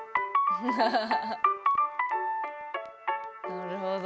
なるほど。